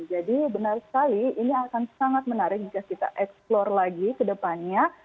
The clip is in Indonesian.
jadi benar sekali ini akan sangat menarik jika kita eksplor lagi ke depannya